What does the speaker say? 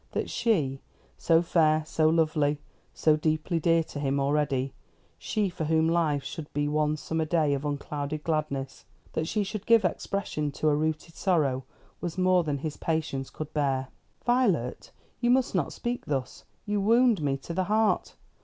That she so fair, so lovely, so deeply dear to him already; she for whom life should be one summer day of unclouded gladness that she should give expression to a rooted sorrow was more than his patience could bear. "Violet, you must not speak thus; you wound me to the heart.